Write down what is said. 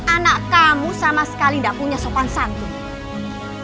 anak kamu sama sekali tidak punya sopan santun